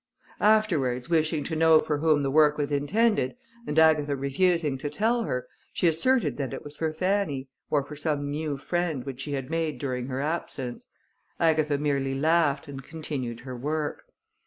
Afterwards wishing to know for whom the work was intended, and Agatha refusing to tell her, she asserted that it was for Fanny, or for some new friend which she had made during her absence. Agatha merely laughed, and continued her work.